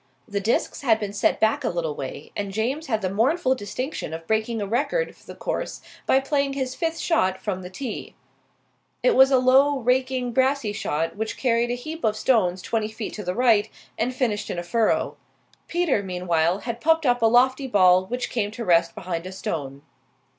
The discs had been set back a little way, and James had the mournful distinction of breaking a record for the course by playing his fifth shot from the tee. It was a low, raking brassey shot, which carried a heap of stones twenty feet to the right and finished in a furrow. Peter, meanwhile, had popped up a lofty ball which came to rest behind a stone.